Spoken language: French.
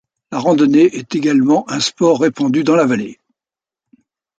La randonnée est également un sport répandu dans la vallée.